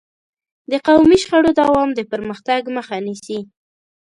د قومي شخړو دوام د پرمختګ مخه نیسي.